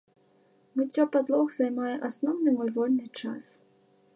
Мыццё падлог займае асноўны мой вольны час.